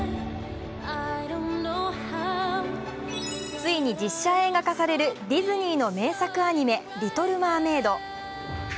ついに実写映画化されるディズニーの名作アニメ「リトル・マーメイド」